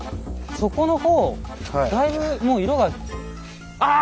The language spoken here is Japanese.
底の方だいぶもう色が。ああ！